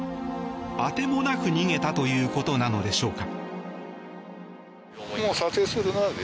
当てもなく逃げたということなのでしょうか。